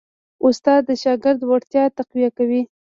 استاد د شاګرد وړتیا تقویه کوي.